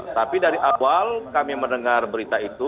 tapi dari awal kami mendengar berita itu